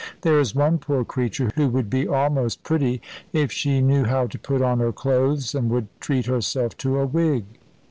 There is one poor creature who would be almost pretty if she knew how to put on her clothes and would treat herself to a wig."